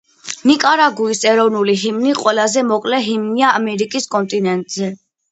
ნიკარაგუის ეროვნული ჰიმნი ყველაზე მოკლე ჰიმნია ამერიკის კონტინენტზე.